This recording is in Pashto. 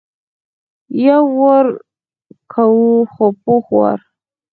یو وار کوو خو پوخ وار.